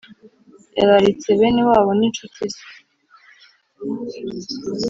yararitse bene wabo n incuti ze.